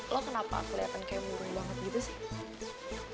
lo kenapa keliatan kayak murah banget gitu sih